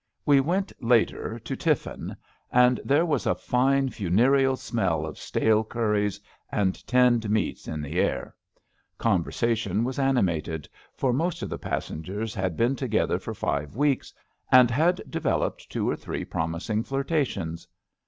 We went, later, to tiffin, and there was a fine funereal smell of stale curries and tinned meats in the air. Con 74 ABAFT THE FUNNEL versation was animated, for most of the passen gers had been together for five weeks and had developed two or three promising flirtations.